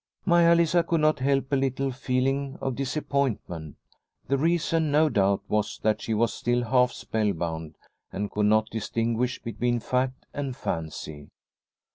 Maia Lisa could not help a little feeling of disappointment. The reason, no doubt, was that she was still half spellbound and could not distinguish between fact and fancy.